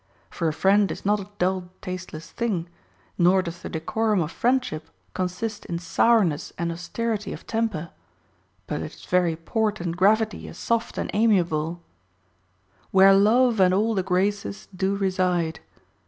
For a friend is not a dull tasteless thing, nor does the decorum of friendship consist in sourness and austerity of• temper, but its very port and gravity is soft and amiable, — Where Love and all the Graces do reside.